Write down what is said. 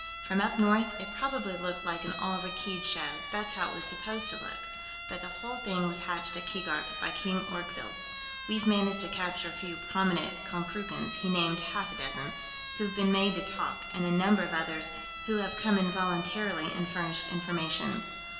"From up north, it probably looked like an all Rakkeed show; that's how it was supposed to look. But the whole thing was hatched at Keegark, by King Orgzild. We've managed to capture a few prominent Konkrookans" he named half a dozen "who've been made to talk, and a number of others have come in voluntarily and furnished information.